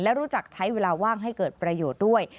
และรู้จักใช้เวลาว่างให้เกิดประโยชน์ด้วย